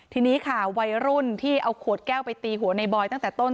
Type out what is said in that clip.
ทีนี้ค่ะวัยรุ่นที่เอาขวดแก้วไปตีหัวในบอยตั้งแต่ต้น